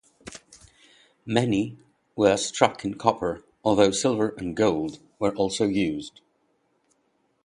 Many were struck in copper, although silver and gold were also used.